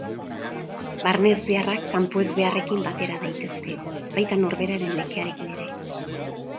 Barne-ezbeharrak kanpoezbeharrekin batera daitezke, baita norberaren nekearekin ere.